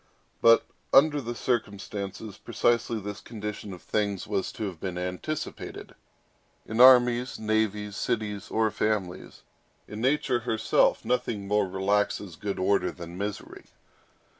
But, under the circumstances, precisely this condition of things was to have been anticipated. In armies, navies, cities, or families, in nature herself, nothing more relaxes good order than misery.